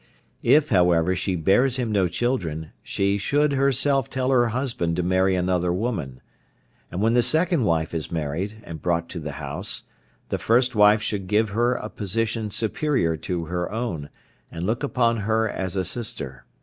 If however she bears him no children, she should herself tell her husband to marry another woman. And when the second wife is married, and brought to the house, the first wife should give her a position superior to her own, and look upon her as a sister.